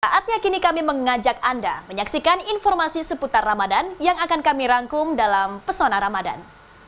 saatnya kini kami mengajak anda menyaksikan informasi seputar ramadan yang akan kami rangkum dalam pesona ramadan